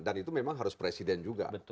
dan itu memang harus presiden juga